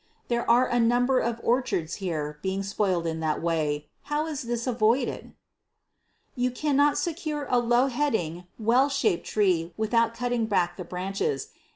There are a number of orchards here being spoiled in that way. How is this avoided? You cannot secure a low heading, well shaped tree without cutting back the branches.